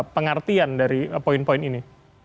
pengertian dari poin poin ini